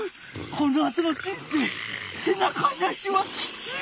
このあとの人生せなかなしはきつい！